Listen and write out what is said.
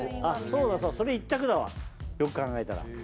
あっそうだそうだそれ一択だわよく考えたら。